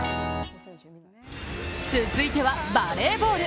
続いてはバレーボール。